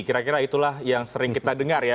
kira kira itulah yang sering kita dengar ya